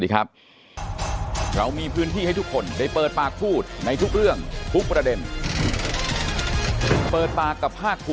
ครับขอบคุณครับ